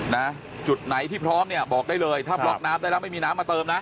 นะจุดไหนที่พร้อมเนี่ยบอกได้เลยถ้าบล็อกน้ำได้แล้วไม่มีน้ำมาเติมนะ